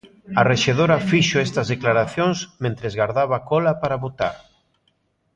A rexedora fixo estas declaracións mentres gardaba cola para votar.